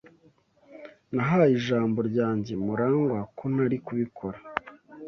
Nahaye ijambo ryanjye Murangwa ko ntari kubikora.